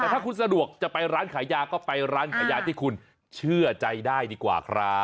แต่ถ้าคุณสะดวกจะไปร้านขายยาก็ไปร้านขายยาที่คุณเชื่อใจได้ดีกว่าครับ